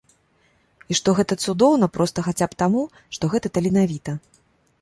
І што гэта цудоўна проста хаця б таму, што гэта таленавіта.